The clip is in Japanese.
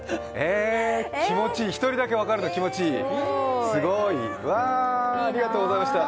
気持ちいい、１人だけ分かるの気持ちいい、ありがとうございました。